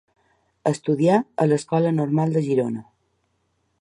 Estudià a l'Escola Normal de Girona.